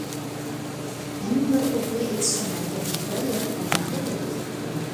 ھەممىڭلار ئوقيا ئېتىشقا مەرگەن، قورال - ياراغقا ماھىر بولۇپ كەتتىڭلار.